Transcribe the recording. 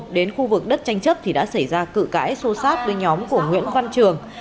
đến khu vực đất tranh chấp thì đã xảy ra cự cãi xô sát với nhóm của nguyễn văn trường